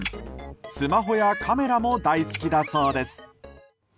スマホやカメラも大好きだそうです。